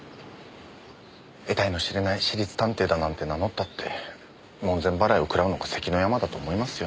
得体の知れない私立探偵だなんて名乗ったって門前払いをくらうのが関の山だと思いますよ。